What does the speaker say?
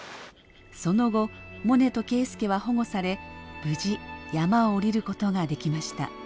その後モネと圭輔は保護され無事山を下りることができました。